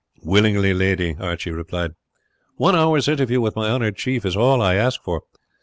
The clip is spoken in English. "Willingly, lady," Archie replied. "One hour's interview with my honoured chief is all I ask for.